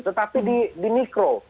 tetapi di mikro